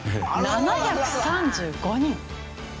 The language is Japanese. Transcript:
７３５人。